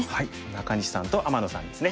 中西さんと天野さんですね。